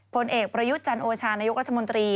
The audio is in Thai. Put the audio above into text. ผลเอกประยุทธ์จันโอชานายกรัฐมนตรี